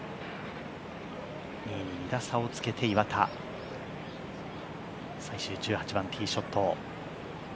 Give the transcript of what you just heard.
２位に２打差をつけて、岩田、最終１８番ティーショット。